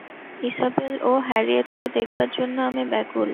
Isabel ও হ্যারিয়েটকে দেখবার জন্য আমি ব্যাকুল।